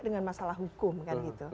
dengan masalah hukum kan gitu